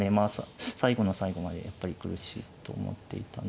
最後の最後までやっぱり苦しいと思っていたのではい。